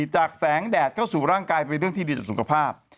จากแสงแดดเข้าสู่ร่างกายเป็นเรื่องที่ดีต่อสุขภาพ